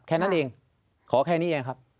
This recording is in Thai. แค่นั้นเองขอแค่นี้เองครับ